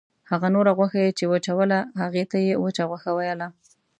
هغه نوره غوښه یې چې وچوله هغې ته یې وچه غوښه ویله.